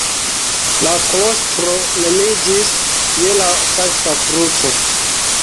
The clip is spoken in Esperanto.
La klostro nomiĝis "Je la Sankta Kruco".